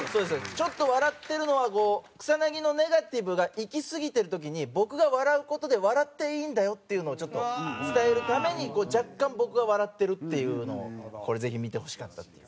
ちょっと笑ってるのはこう草薙のネガティブがいきすぎてる時に僕が笑う事で笑っていいんだよっていうのをちょっと伝えるために若干僕が笑ってるっていうのをこれぜひ見てほしかったっていう。